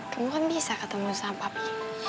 kamu kan bisa ketemu sama papi